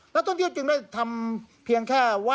นักท่องเที่ยวจึงได้ทำเพียงแค่ว่า